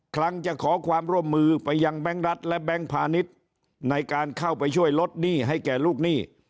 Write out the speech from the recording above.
ครั้งจะขอความร่วมมือไปยังแบงค์รัฐและแบงค์พาณิชย์ในการเข้าไปช่วยลดหนี้ให้แก่ลูกหนี้